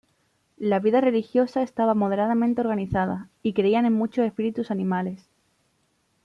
La vida religiosa estaba moderadamente organizada, y creían en muchos espíritus animales.